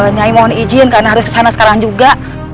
nyai mohon izin karena harus kesana sekarang juga